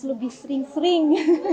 harus lebih sering sering